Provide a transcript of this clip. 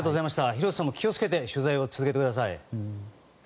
廣瀬さんも気をつけて取材を続けてください。